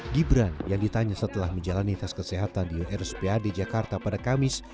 gibran yang ditanya setelah menjalani tes kesehatan di rspad jakarta pada kamis